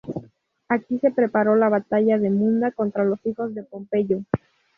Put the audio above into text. Aquí se preparó la batalla de Munda contra los hijos de Pompeyo.